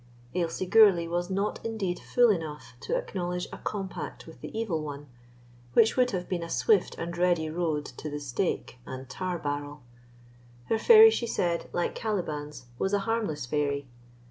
Ailsie Gourlay was not indeed fool enough to acknowledge a compact with the Evil One, which would have been a swift and ready road to the stake and tar barrel. Her fairy, she said, like Caliban's, was a harmless fairy.